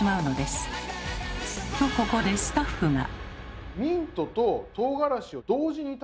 ここでスタッフが。